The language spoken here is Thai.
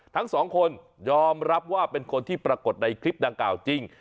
ทั้งสองคนยอมรับว่าเป็นคนที่ปรากฏในคลิปดังกล่าวจริง